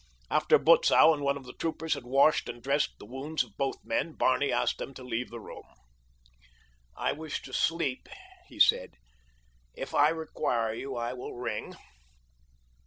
After Butzow and one of the troopers had washed and dressed the wounds of both men Barney asked them to leave the room. "I wish to sleep," he said. "If I require you I will ring."